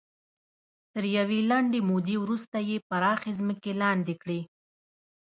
تر یوې لنډې مودې وروسته یې پراخې ځمکې لاندې کړې.